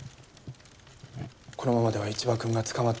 このままでは一場君が捕まってしまう。